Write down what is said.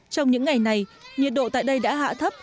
trong những ngày này nhiệt độ tại đây đã hạ thấp